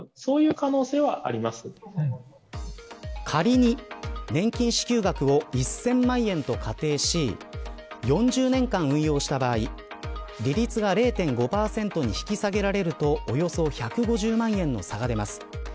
仮に年金支給額を１０００万円と仮定し４０年間運用した場合利率が０．５％に引き下げられるとおよそ１５０万円の差が出ます。